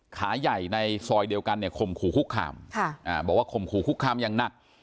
ขาใหญ่ในซอยเดียวกันเนี่ยข่มขู่คุกคามบอกว่าข่มขู่คุกคามอย่างหนัก